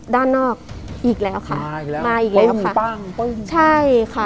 ด้านนอกอีกแล้วค่ะมาอีกแล้วค่ะปึ้งปั้งปึ้งใช่ค่ะ